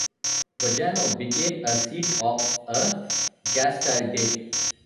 Bojano became a seat of a gastaldate.